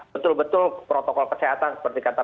betul betul protokol kesehatan seperti kata